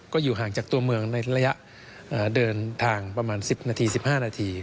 ก็อยู่ห่างจากตัวเมืองในระยะเดินทางประมาณ๑๐นาที๑๕นาที